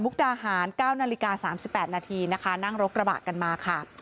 มุกดาหารเก้านาฬิกาสามสิบแปดนาทีนะคะนั่งรกระบะกันมาค่ะ